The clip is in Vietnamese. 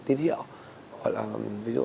tín hiệu hoặc là ví dụ